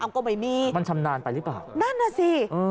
ก็ไม่มีมันชำนาญไปหรือเปล่านั่นน่ะสิ